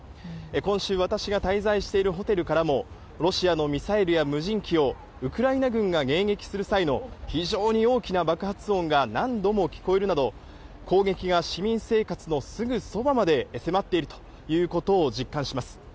今週私が滞在しているホテルからもロシアのミサイルや無人機をウクライナ軍が迎撃する際の非常に大きな爆発音が何度も聞こえるなど攻撃が市民生活のすぐそばまで迫っているということを実感します。